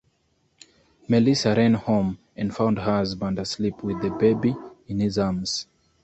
Melissa ran home and found her husband asleep with the baby in his arms.